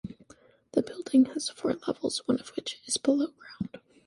The building has four levels, one of which is below ground.